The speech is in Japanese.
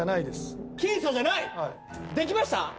できました？